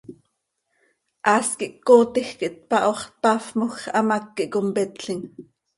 Haas quih cöcootij quih tpaho x, tpafmoj x, hamác quih competlim.